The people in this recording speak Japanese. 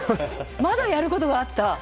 まだやることがあった？